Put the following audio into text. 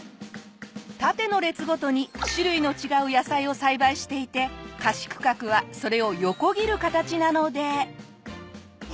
縦の列ごとに種類の違う野菜を栽培していて貸し区画はそれを横切る形なので。